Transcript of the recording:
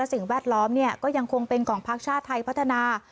สิ่งแวดล้อมก็ยังคงเป็นของพักชาติไทยพัฒนา